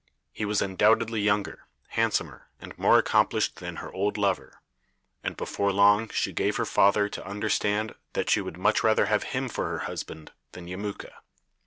He was undoubtedly younger, handsomer, and more accomplished than her old lover, and before long she gave her father to understand that she would much rather have him for her husband than Yemuka.